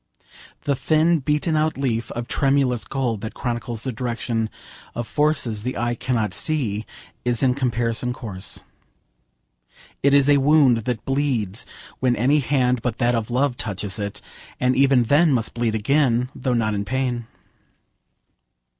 The thin beaten out leaf of tremulous gold that chronicles the direction of forces the eye cannot see is in comparison coarse. It is a wound that bleeds when any hand but that of love touches it, and even then must bleed again, though not in pain.